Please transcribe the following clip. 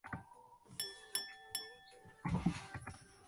殿试登进士第二甲第五十八名。